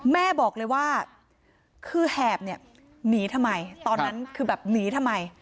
แม่บอกเลยว่าคือแหบเนี่ยหนีทำไมตอนนั้นคือแบบหนีทำไม